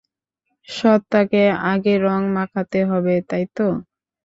সত্যাকে আগে রং মাখাতে হবে, তাইতো?